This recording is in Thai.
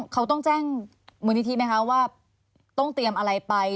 เขาต้องแจ้งมูลนิธิไหมคะว่าต้องเตรียมอะไรไป